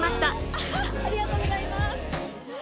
ありがとうございます